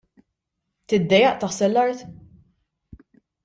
Tiddejjaq taħsel l-art?